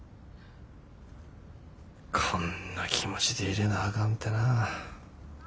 こんな気持ちで入れなあかんてなぁ。